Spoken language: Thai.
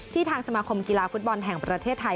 ทางสมาคมกีฬาฟุตบอลแห่งประเทศไทย